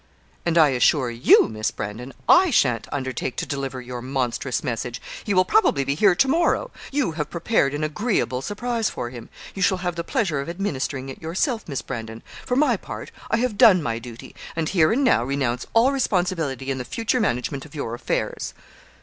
'And I assure you, Miss Brandon, I sha'n't undertake to deliver your monstrous message. He will probably be here to morrow. You have prepared an agreeable surprise for him. You shall have the pleasure of administering it yourself, Miss Brandon. For my part, I have done my duty, and here and now renounce all responsibility in the future management of your affairs.'